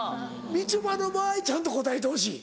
みちょぱの場合ちゃんと答えてほしい。